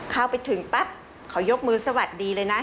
เข้าไปถึงปั๊บเขายกมือสวัสดีเลยนะ